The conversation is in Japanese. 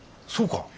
そうか！